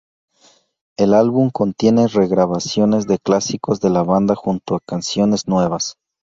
El álbum contiene re-grabaciones de clásicos de la banda junto a canciones nuevas.